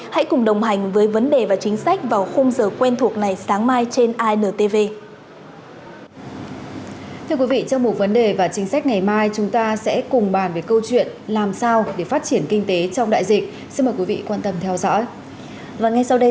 hãy cùng đồng hành với vấn đề và chính sách vào khung giờ quen thuộc này sáng mai trên intv